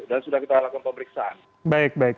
dan sudah kita lakukan pemeriksaan